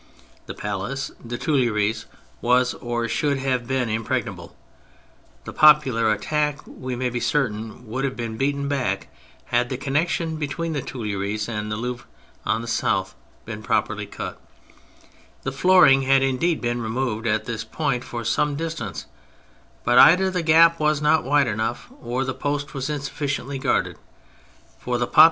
The palace (the Tuileries) was, or should have been, impregnable. The popular attack, we may be certain, would have been beaten back had the connection between the Tuileries and the Louvre on the south been properly cut. The flooring had indeed been removed at this point for some distance, but either the gap was not wide enough or the post was insuffi ciently guarded ; the populace and the ^ The reader should be warned that these numbers are hotly disputed.